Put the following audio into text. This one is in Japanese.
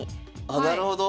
あなるほど。